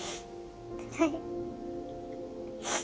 はい。